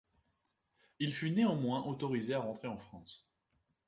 Il fut néanmoins autorisé à rentrer en France.